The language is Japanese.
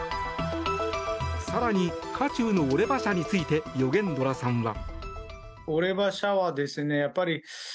更に、渦中のオレバ社についてヨゲンドラさんは。